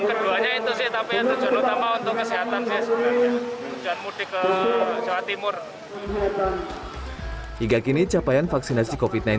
kemudian itu sih tapi untuk kesehatan dan mudik ke jawa timur hingga kini capaian vaksinasi kopit